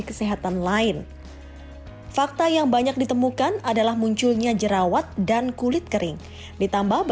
kesehatan lain fakta yang banyak ditemukan adalah munculnya jerawat dan kulit kering ditambah